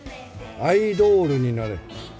アイドールになれ。